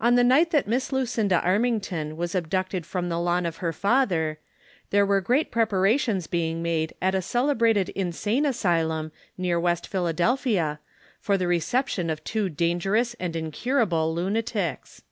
fISr the night that Miss Lucinda Armington was abducted from the lawn of her father, there were great preparations being made at a cele brated insane asylum near West Philadelphia, for the reception of two dangerous and incurable lunatics.